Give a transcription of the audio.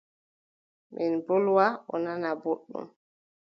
Min mbolwa o nana boɗɗum.